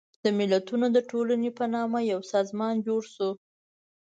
د ملتونو د ټولنې په نامه یو سازمان جوړ شو.